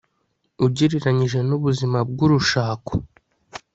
ugereranyije nu buzima bwu rushako